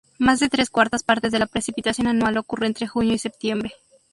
Más de tres cuartas partes de la precipitación anual ocurre entre junio y septiembre.